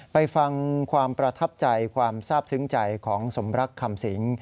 ไปฟังความประทับใจความทราบซึ้งใจของสมรักคำสิง